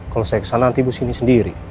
kalau saya kesana nanti ibu sini sendiri